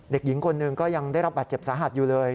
เด็กหญิงคนหนึ่งก็ยังได้รับบาดเจ็บสาหัสอยู่เลย